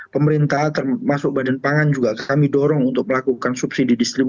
pemerintah termasuk badan pangan juga kami dorong untuk melakukan subsidi